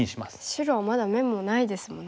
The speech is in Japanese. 白はまだ眼もないですもんね。